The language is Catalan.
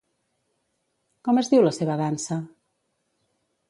Com es diu la seva dansa?